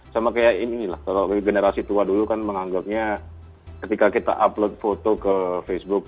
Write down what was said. sama kayak ini lah kalau generasi tua dulu kan menganggapnya ketika kita upload foto ke facebook